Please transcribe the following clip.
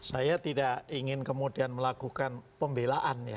saya tidak ingin kemudian melakukan pembelaan ya